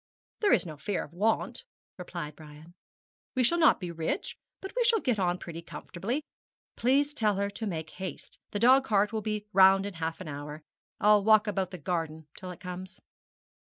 'There is no fear of want,' replied Brian. 'We shall not be rich, but we shall get on pretty comfortably. Please tell her to make haste. The dog cart will be round in half an hour. I'll walk about the garden till it comes.'